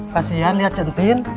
kasian lihat centin